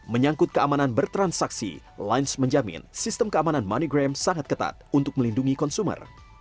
menyangkut keamanan bertransaksi lines menjamin sistem keamanan moneygram sangat ketat untuk melindungi konsumer